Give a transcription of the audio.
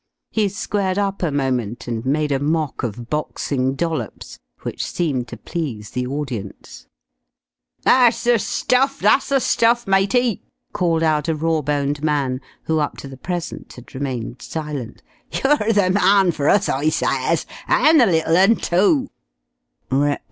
He squared up a moment and made a mock of boxing Dollops which seemed to please the audience. "That's the stuff, that's the stuff, matey!" called out a raw boned man who up to the present had remained silent. "You're the man for us, I ses! An' the little 'un, too."